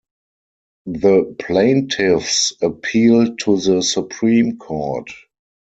The plaintiffs appealed to the Supreme Court.